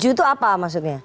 tujuh itu apa maksudnya